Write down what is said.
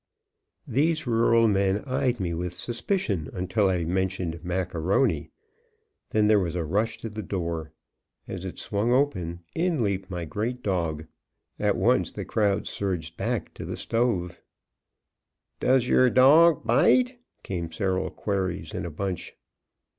These rural men eyed me with suspicion until I mentioned Mac A'Rony. Then there was a rush to the door. As it swung open, in leaped my great dog; at once the crowd surged back to the stove. "Does yer dorg bite?" came several queries in a bunch.